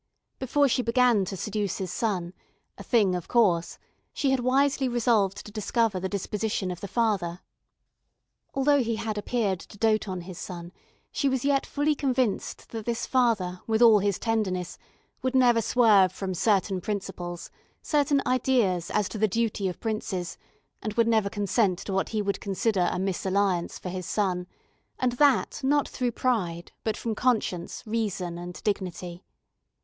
Before she began to seduce his son, a thing of course, she had wisely resolved to discover the disposition of the father. Although he had appeared to dote on his son, she was yet fully convinced that this father, with all his tenderness, would never swerve from certain principles, certain ideas as to the duty of princes, and would never consent to what he would consider a mésalliance for his son, and that not through pride, but from conscience, reason, and dignity.